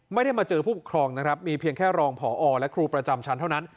ไม่ได้มาเจอผู้ปกครองนะครับมีเพียงแค่รองผอและครูประจำชั้นเท่านั้น